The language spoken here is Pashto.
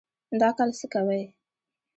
دا کال څه کوئ؟